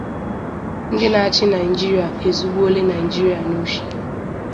Ndi na-achi Nigeria ezugbuole Nigeria n’oshi